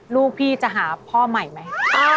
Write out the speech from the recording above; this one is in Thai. ลูกพี่จะหาพ่อใหม่ไหม